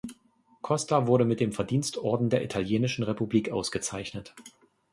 Costa wurde mit dem Verdienstorden der Italienischen Republik ausgezeichnet.